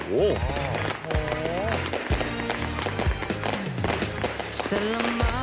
โอ้โห